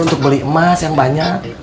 untuk beli emas yang banyak